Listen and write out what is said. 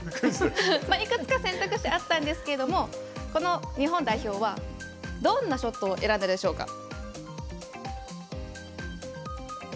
いくつか選択肢があったんですけどもこの日本代表はどんなショットを選んだでしょうか。